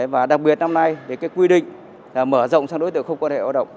và đặc biệt năm nay cái quy định mở rộng sang đối tượng không quan hệ hoạt động